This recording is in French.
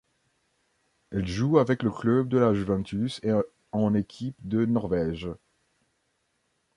Elle joue avec le club de la Juventus et en équipe de Norvège.